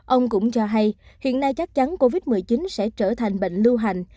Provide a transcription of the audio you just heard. ông cũng cho hay hiện nay chắc chắn covid một mươi chín sẽ trở thành bệnh lưu hành